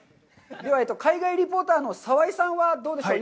では、海外リポーターの澤井さんはどうでしょう？